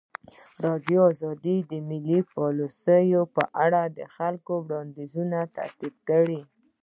ازادي راډیو د مالي پالیسي په اړه د خلکو وړاندیزونه ترتیب کړي.